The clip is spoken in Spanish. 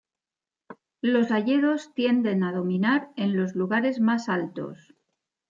Los hayedos tienden a dominar en los lugares más altos.